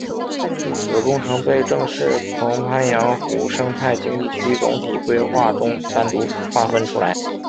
自此工程被正式从鄱阳湖生态经济区总体规划中单独划分出来。